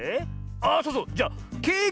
あそうそうじゃケーキ